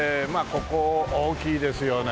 ここ大きいですよね。